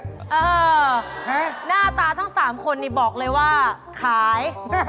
อ้าวหน้าตาทั้งสามคนนี่บอกเลยว่าขาย